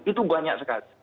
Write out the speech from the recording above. itu banyak sekali